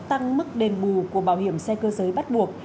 tăng mức đền bù của bảo hiểm xe cơ giới bắt buộc